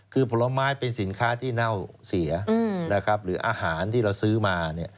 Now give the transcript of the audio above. คือผลไม้เป็นสินค้าที่เน่าเสียหรืออาหารที่เราซื้อมา